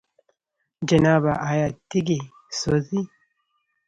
جنابه! آيا تيږي سوزي؟